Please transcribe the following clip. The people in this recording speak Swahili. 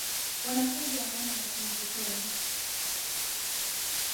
Wanafunzi wameenda mapumzikoni